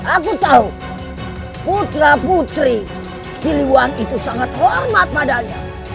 aku tahu putra putri siliwan itu sangat hormat padanya